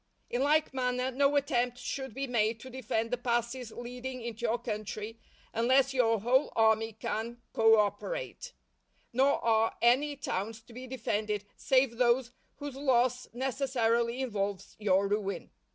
In like manner, no attempt should be made to defend the passes leading into your country unless your whole army can co operate; nor are any towns to be defended save those whose loss necessarily involves your ruin.